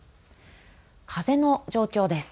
風の状況です。